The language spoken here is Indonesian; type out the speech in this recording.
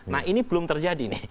nah ini belum terjadi nih